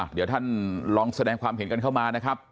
เดี๋ยวท่านลองแสดงความเห็นกันเข้ามานะครับ